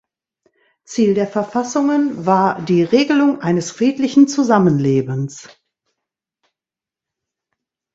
Ziel der Verfassungen war die Regelung eines friedlichen Zusammenlebens.